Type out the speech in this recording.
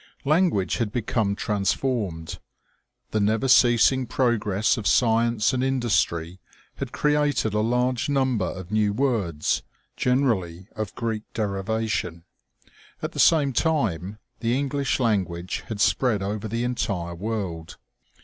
Language had become transformed. The never ceasing progress of science and industry had created a large num ber of new words, generally of Greek derivation. At the same time, the English language had spread over the entire world.